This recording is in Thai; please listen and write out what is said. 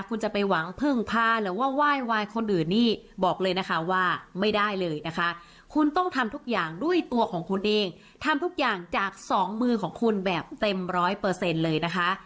คุณจะไปหวังพึ่งพาหรือว่าไหว้วายคนอื่นนี่บอกเลยนะคะว่าไม่ได้เลยนะคะคุณต้องทำทุกอย่างด้วยตัวของคุณเองทำทุกอย่างจากสองมือของคุณแบบเต็มร้อยเปอร์เซ็นต์เลยนะคะ